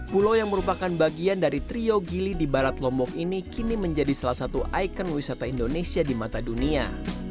pulau yang merupakan bagian dari trio gili di barat lombok ini kini menjadi salah satu ikon wisata indonesia di mata dunia